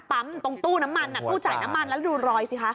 ตรงตู้น้ำมันตู้จ่ายน้ำมันแล้วดูรอยสิคะ